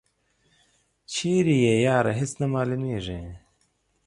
چیری یی یاره هیڅ نه معلومیږي.